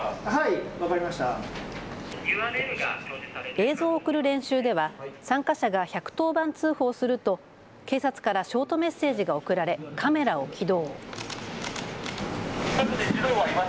映像を送る練習では参加者が１１０番通報すると警察からショートメッセージが送られカメラを起動。